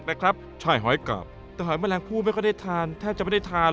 แต่หอยแมลงผู้ไม่ค่อยได้ทานแทบจะไม่ได้ทานเลย